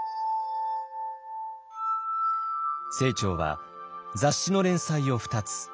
清張は雑誌の連載を２つ。